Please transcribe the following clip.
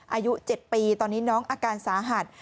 อายุ๗ปีตอนนี้น้องอาการสาหัส